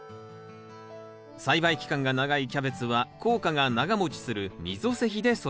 栽培期間が長いキャベツは効果が長もちする溝施肥で育てます。